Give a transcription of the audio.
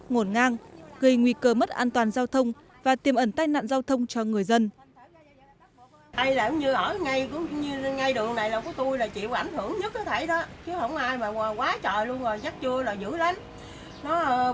ngổn ngang gây nguy cơ mất an toàn giao thông và tiềm ẩn tai nạn giao thông cho người dân